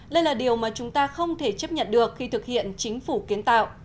đây là điều mà chúng ta không thể chấp nhận được khi thực hiện chính phủ kiến tạo